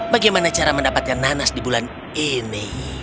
bagaimana cara mendapatkan nanas di bulan ini